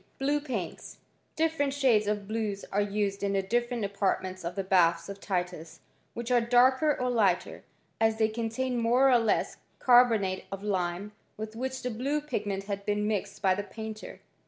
Blue paints. Different shades of blues are used in the different apartments of the baths of Titus, which are darker or lighter, as they contain more or less carbonate of lime with which the blue pigment bad been mixed by the painter.